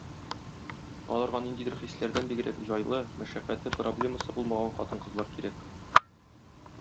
Аларга ниндидер хисләрдән бигрәк җайлы, мәшәкате, проблемасы булмаган хатын-кызлар кирәк.